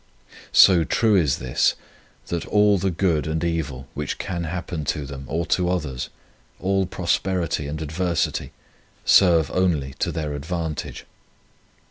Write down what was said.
So true is this that all the good and evil which can happen to them or to others, all prosperity and adversity, serve only to their ad vantage.